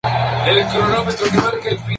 Contra-lígula presente.